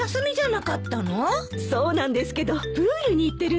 そうなんですけどプールに行ってるんです。